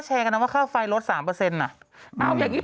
แชร์กันนะว่าค่าไฟลดสามเปอร์เซ็นต์น่ะอ่าวอย่างนี้